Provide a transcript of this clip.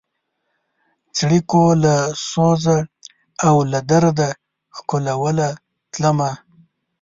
څړیکو له سوزه او له درده ښکلوله تلمه